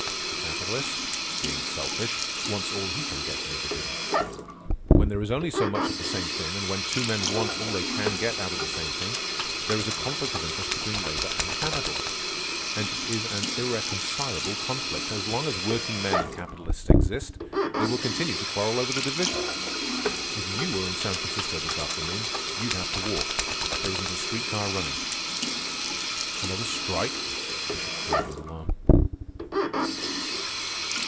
The capitalist, being selfish, wants all he can get in the division. When there is only so much of the same thing, and when two men want all they can get of the same thing, there is a conflict of interest between labor and capital. And it is an irreconcilable conflict. As long as workingmen and capitalists exist, they will continue to quarrel over the division. If you were in San Francisco this afternoon, you'd have to walk. There isn't a street car running." "Another strike?" the Bishop queried with alarm.